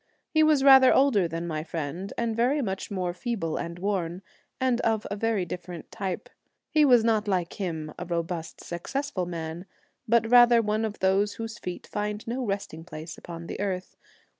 He was rather older than my friend, and very much more feeble and worn, and of a very different type. He was not like him, a robust, successful man, but rather one of those whose feet find no resting place upon the earth.